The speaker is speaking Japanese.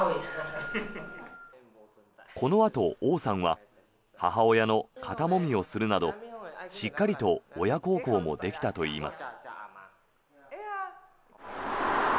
このあとオウさんは母親の肩もみをするなどしっかりと親孝行もできたといいます。